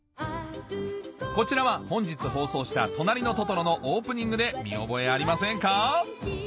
こちらは本日放送した『となりのトトロ』のオープニングで見覚えありませんか？